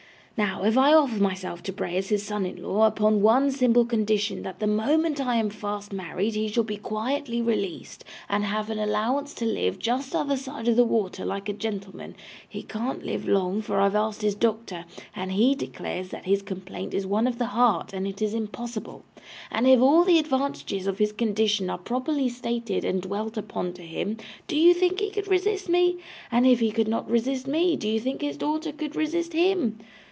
Now, if I offer myself to Bray as his son in law, upon one simple condition that the moment I am fast married he shall be quietly released, and have an allowance to live just t'other side the water like a gentleman (he can't live long, for I have asked his doctor, and he declares that his complaint is one of the Heart and it is impossible), and if all the advantages of this condition are properly stated and dwelt upon to him, do you think he could resist me? And if he could not resist ME, do you think his daughter could resist HIM?